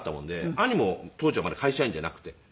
兄も当時はまだ会社員じゃなくて。